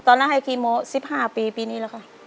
ตอนนั้นให้คีโม๑๕ปีปีนี้แล้วค่ะ